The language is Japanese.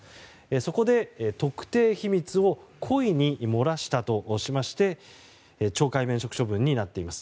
そこで特定秘密を故意に漏らしたとしまして懲戒免職処分になっています。